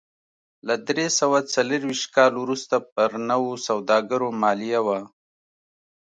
له درې سوه څلرویشت کال وروسته پر نویو سوداګرو مالیه و